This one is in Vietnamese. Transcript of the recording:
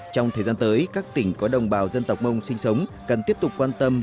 trong thời gian tới các tỉnh có đồng bào dân tộc mông sinh sống cần tiếp tục quan tâm